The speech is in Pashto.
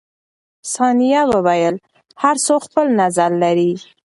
ثانیه وویل، هر څوک خپل نظر لري.